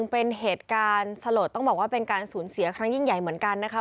เป็นเหตุการณ์สลดต้องบอกว่าเป็นการสูญเสียครั้งยิ่งใหญ่เหมือนกันนะคะ